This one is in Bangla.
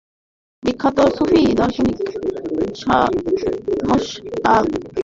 বিখ্যাত সুফি দার্শনিক শামস্ তাব্রিজী।